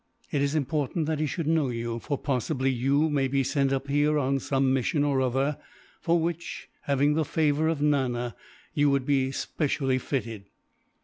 It is important that he should know you, for possibly you may be sent up here on some mission or other for which, having the favour of Nana, you would be specially fitted."